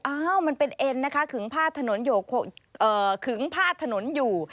อ้าวมันเป็นเอ็นนะคะขึงพาดถนนอยู่